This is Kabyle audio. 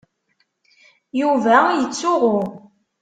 Yuba yettsuɣu.